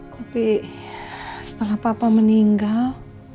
tapi setelah papa meninggal